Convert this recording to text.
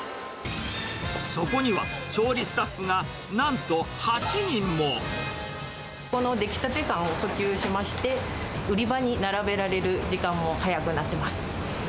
そこには、この出来たて感を訴求しまして、売り場に並べられる時間も早くなってます。